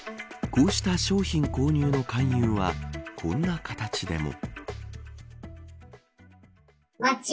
こうした商品購入の勧誘はこんな形でも。